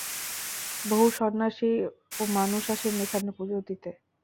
বহু সন্ন্যাসী ও মানুষ আসেন এখানে পুজো দিতে।